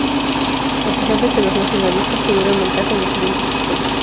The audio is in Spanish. A pesar de que los nacionalistas tuvieran ventaja en los siguientes aspectos.